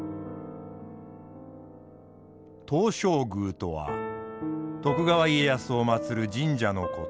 東照宮とは徳川家康を祭る神社のこと。